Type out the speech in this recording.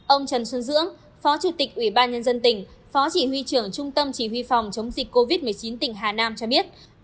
ông trần xuân dưỡng phó chủ tịch ủy ban nhân dân tỉnh phó chỉ huy trưởng trung tâm chỉ huy phòng chống dịch covid một mươi chín tỉnh hà nam cho biết